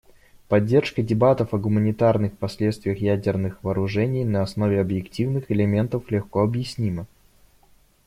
Поддержка дебатов о гуманитарных последствиях ядерных вооружений на основе объективных элементов легко объяснима.